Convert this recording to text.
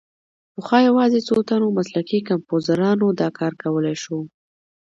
پخوا یوازې څو تنو مسلکي کمپوزرانو دا کار کولای شو.